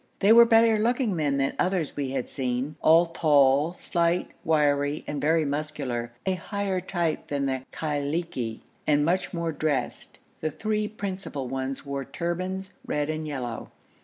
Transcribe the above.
They were better looking men than others we had seen, all tall, slight, wiry, and very muscular, a higher type than the Khailiki and much more dressed. The three principal ones wore turbans, red and yellow.